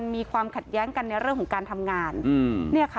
มีความขัดแย้งกันในเรื่องของการทำงาน